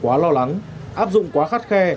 quốc gia quá lo lắng áp dụng quá khắt khe